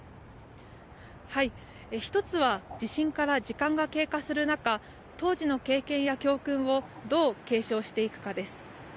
１つは、地震から時間が経過する中、当時の経験や教訓をどう継承していくかです。